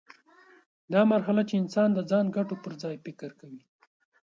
دا مرحله چې انسان د ځان ګټو پر ځای فکر کوي.